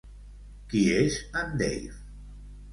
Qui és en Dave?